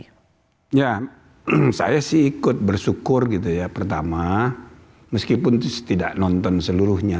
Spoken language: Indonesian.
ya saya sih ikut bersyukur gitu ya pertama meskipun itu tidak nonton seluruhnya